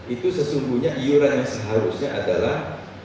itu sesungguhnya iuran yang seharusnya adalah dua ratus